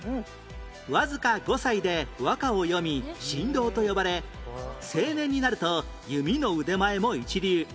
わずか５歳で和歌を詠み神童と呼ばれ青年になると弓の腕前も一流